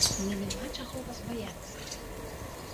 Мне няма чаго вас баяцца.